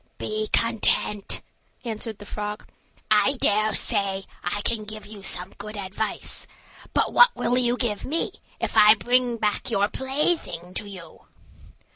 "Be content," answered the frog; "I dare say I can give you some good advice; but what will you give me if I bring back your plaything to you?"